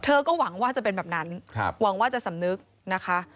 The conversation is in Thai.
ก็หวังว่าจะเป็นแบบนั้นหวังว่าจะสำนึกนะคะ